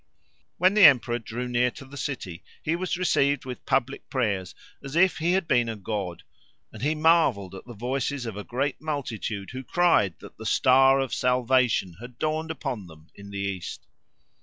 When the emperor drew near to the city he was received with public prayers as if he had been a god, and he marvelled at the voices of a great multitude who cried that the Star of Salvation had dawned upon them in the East.